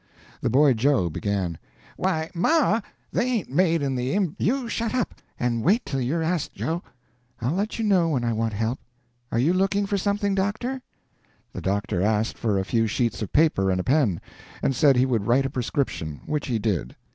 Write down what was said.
The boy Joe began: "Why, ma, they ain't made in the im " "You shut up, and wait till you're asked, Joe. I'll let you know when I want help. Are you looking for something, doctor?" The doctor asked for a few sheets of paper and a pen, and said he would write a prescription; which he did.